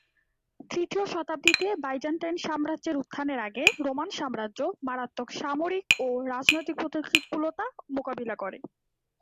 তৃতীয় শতাব্দীতে বাইজান্টাইন সম্রাজ্যের উত্থানের আগে রোমান সম্রাজ্য মারাত্মক সামরিক ও রাজনীতিক প্রতিকূলতা মোকাবিলা করে।